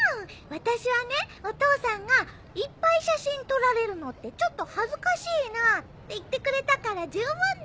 私はねお父さんが「いっぱい写真撮られるのってちょっと恥ずかしいな」って言ってくれたから十分だよ。